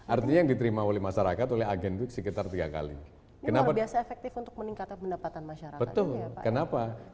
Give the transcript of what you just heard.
artinya yang diterima oleh masyarakat oleh agen itu sekitar tiga kali kenapa biasa efektif untuk meningkatkan pendapatan masyarakat betul karena itu adalah hal yang sangat bergantung untuk masyarakat ini